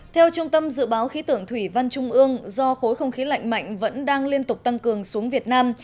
theo trung tâm dự báo khí tượng thủy văn trung ương do khối không khí lạnh mạnh vẫn đang liên tục tăng cường xuống việt nam